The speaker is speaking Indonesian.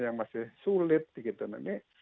yang masih sulit dikita ngejar